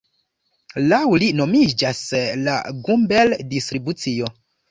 Laŭ li nomiĝas la Gumbel-Distribucio.